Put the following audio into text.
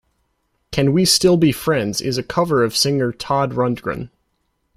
"Can We Still Be Friends" is a cover of singer Todd Rundgren.